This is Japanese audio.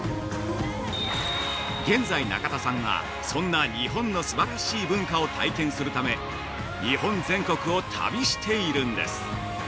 現在、中田さんはそんな日本のすばらしい文化を体験するため日本全国を旅しているんです。